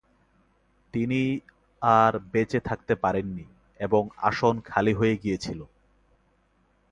তিনি আর বেঁচে থাকতে পারেননি এবং আসন খালি হয়ে গিয়েছিল।